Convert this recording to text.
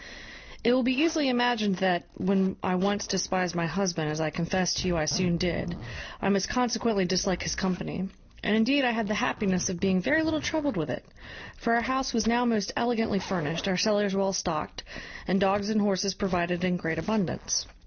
"It will be easily imagined that, when I once despised my husband, as I confess to you I soon did, I must consequently dislike his company; and indeed I had the happiness of being very little troubled with it; for our house was now most elegantly furnished, our cellars well stocked, and dogs and horses provided in great abundance.